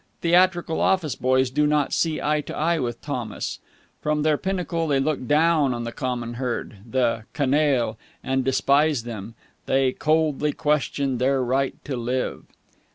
Theatrical office boys do not see eye to eye with Thomas. From their pinnacle they look down on the common herd, the canaille, and despise them. They coldly question their right to live.